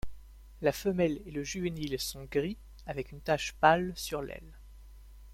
La femelle et le juvénile sont gris, avec une tache pâle sur l'aile.